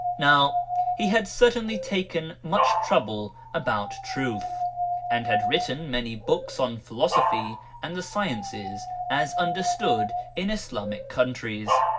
Now he had certainly taken much trouble about truth, and had written many books on philosophy and the sciences as understood in Islamic countries.